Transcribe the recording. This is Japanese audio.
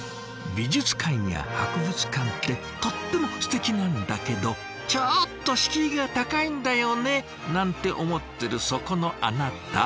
美術館や博物館ってとってもすてきなんだけどちょっと敷居が高いんだよねなんて思ってるそこのあなた。